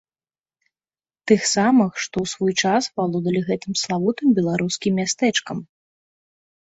Тых самых, што ў свой час валодалі гэтым славутым беларускім мястэчкам.